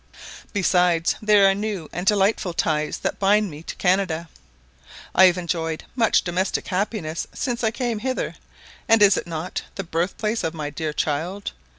Besides, there are new and delightful ties that bind me to Canada: I have enjoyed much domestic happiness since I came hither; and is it not the birthplace of my dear child?